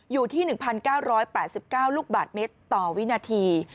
อยู่ที่๑๙๘๙ลูกบาทเมตรต่อวินาที